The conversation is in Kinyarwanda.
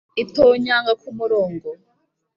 itonyanga kumurongo?